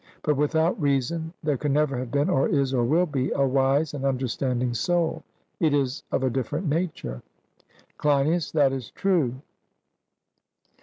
But without reason there never has been, or is, or will be a wise and understanding soul; it is of a different nature. CLEINIAS: That is true.